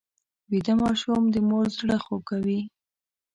ویده ماشوم د مور زړه خوږوي